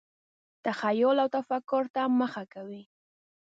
تخیل او تفکر ته مخه کوي.